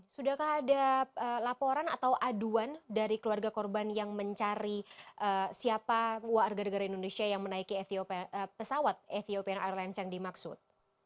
sudahkah ada laporan atau aduan dari keluarga korban yang mencari siapa warga negara indonesia yang menaiki pesawat ethiopian airlines yang dimaksud